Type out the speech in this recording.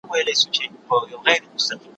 ويل زه يوه مورکۍ لرم پاتيږي